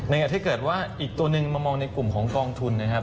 ถ้าเกิดว่าอีกตัวหนึ่งมามองในกลุ่มของกองทุนนะครับ